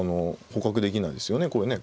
捕獲できないですよねこれね。